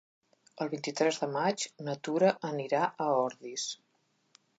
El vint-i-tres de maig na Tura anirà a Ordis.